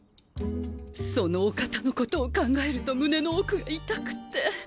そのお方のことを考えると胸の奥が痛くて。